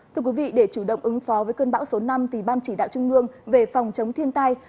thưa quý vị để chủ động ứng phó với cơn bão số năm ban chỉ đạo trung ương về phòng chống thiên tai